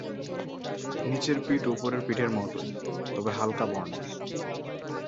নিচের পিঠ ওপরের পিঠের মতোই, তবে হাল্কা বর্নের।